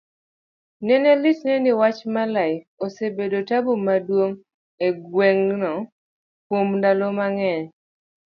nene litne ni wach marler osebedo tabu maduong' egweng' no kuom ndalo mang'eny,